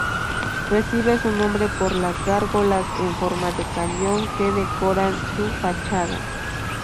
Recibe su nombre por las gárgolas en forma de cañón que decoran su fachada.